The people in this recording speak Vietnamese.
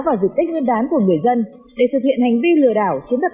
và dịch tích nguyên đán của người dân để thực hiện hành vi lừa đảo